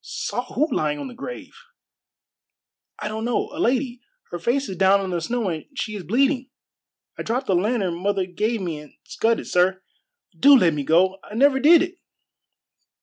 "Saw who lying on the grave?" "I don't know. A lady. Her face is down in the snow, and she is bleeding. I dropped the lantern mother gave me and scudded, sir. Do let me go! I never did it!"